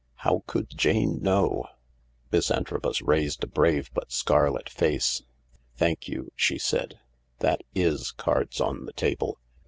How could Jane know ? Miss Antrobus raised a brave but scarlet face. "Thank you," she said. "That is cards on the table.